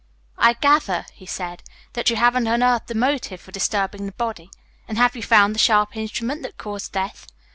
"I gather," he said, "that you haven't unearthed the motive for disturbing the body. And have you found the sharp instrument that caused death?"